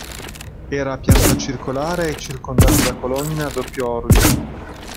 Era a pianta circolare e circondato da colonne a doppio ordine.